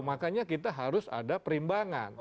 makanya kita harus ada perimbangan